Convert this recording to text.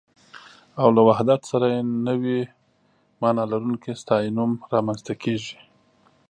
او له وحدت سره يې نوې مانا لرونکی ستاينوم رامنځته کېږي